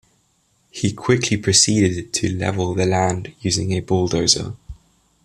He quickly proceeded to level the land using a bulldozer.